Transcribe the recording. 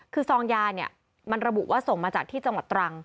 คือซองยาเนี่ยมันระบุว่าส่งมาจากที่จังหวัดตรัง